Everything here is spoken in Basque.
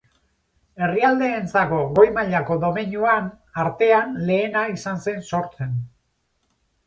Herrialdeentzako goi mailako domeinuan artean lehena izan zen sortzen.